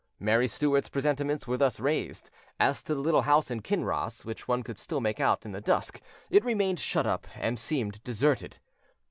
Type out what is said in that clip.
Mary Stuart's presentiments were thus realised: as to the little house in Kinross, which one could still make out in the dusk, it remained shut up, and seemed deserted.